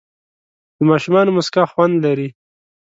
د ماشومانو موسکا خوند لري.